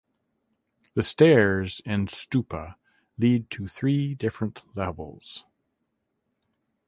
The stairs in stupa lead to three different levels.